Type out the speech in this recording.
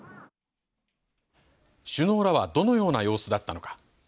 首脳らはどのような様子だったのか。